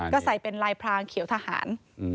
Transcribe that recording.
ก็ใส่เป็นลายพรางเขียวทหาร